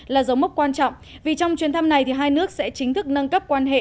là dấu mốc quan trọng vì trong chuyến thăm này thì hai nước sẽ chính thức nâng cấp quan hệ